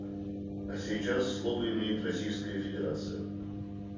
А сейчас слово имеет Российская Федерация.